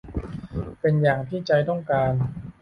เป็นอย่างที่ใจต้องการ